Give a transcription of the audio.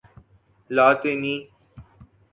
لاطینی